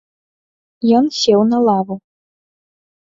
Ён сеў на лаву.